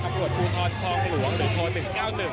ปรับรวจผู้ทอดทองหลวงหรือโทร๑๙๑ครับ